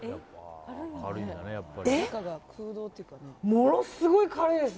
ものすごい軽いです。